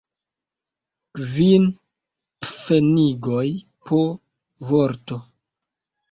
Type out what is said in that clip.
Kvin pfenigoj po vorto.